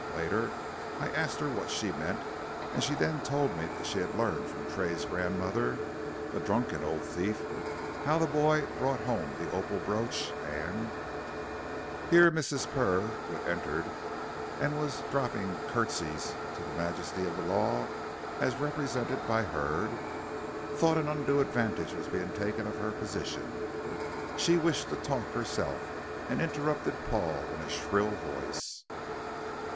Later, I asked her what she meant, and she then told me that she had learned from Tray's grandmother, a drunken old thief, how the boy brought home the opal brooch, and " Here Mrs. Purr, who had entered and was dropping curtseys to the majesty of the law, as represented by Hurd, thought an undue advantage was being taken of her position. She wished to talk herself, and interrupted Paul, in a shrill voice.